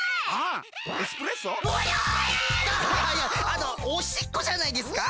あのおしっこじゃないですか？